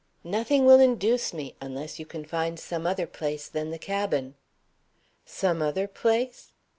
"Nothing will induce me, unless you can find some other place than the cabin." Some other place?